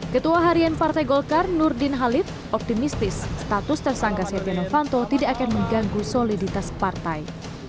ketua harian partai golkar nurdin halid optimistis status tersangka setia novanto tidak akan mengganggu soliditas partai